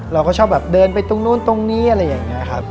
เราก็ชอบแบบเดินไปตรงนู้นตรงนี้อะไรอย่างนี้ครับ